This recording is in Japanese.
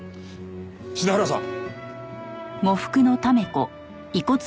品原さん！